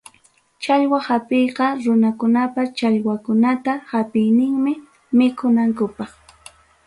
Challwa hapiyqa runakunapa challwakunata hapiyninmi mikunankupaq.